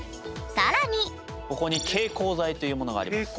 更にここに蛍光剤というものがあります。